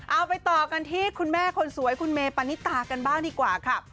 เอาไปต่อกันที่คุณแม่คนสวยคุณเมปานิตากันบ้างดีกว่าค่ะ